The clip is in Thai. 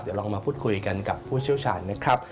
เดี๋ยวลองมาพูดคุยกันกับผู้เชี่ยวชาญนะครับ